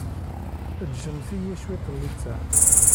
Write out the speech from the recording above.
Ǧǧemt-iyi cwiṭ n littseɛ.